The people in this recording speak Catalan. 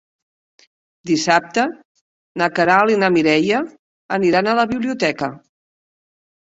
Dissabte na Queralt i na Mireia aniran a la biblioteca.